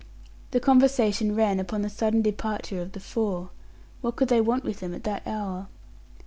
The conversation ran upon the sudden departure of the four. What could they want with them at that hour?